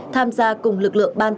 tham gia cùng lực lượng bộ công an